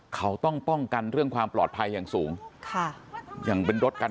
เขาต้องป้องกันเรื่องความปลอดภัยอย่างสูง